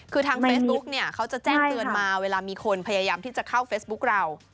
คือทางเฟซบุ๊กเนี่ยเขาจะแจ้งเตือนมาเวลามีคนพยายามที่จะเข้าเฟซบุ๊กเรา